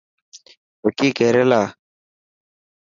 وڪي ڪيريلا.